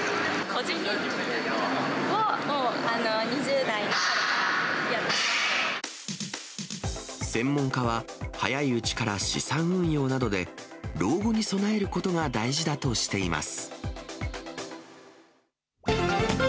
個人年金を２０代のころから専門家は、早いうちから資産運用などで、老後に備えることが大事だとしています。